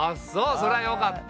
そりゃよかった。